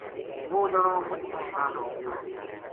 وہ جنو مچ پریشان ہو گیو